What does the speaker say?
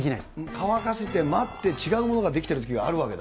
乾かして、待って、違うものが出来てるときがあるわけだ？